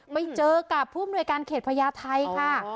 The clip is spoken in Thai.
ไปเจอกับผู้อำนวยการเขตพญาไทยค่ะ